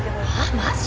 マジ？